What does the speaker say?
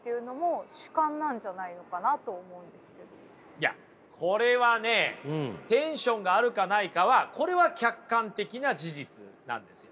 いやこれはねテンションがあるかないかはこれは客観的な事実なんですよ。